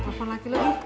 mak mau jalan lagi lo